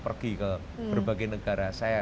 pergi ke berbagai negara saya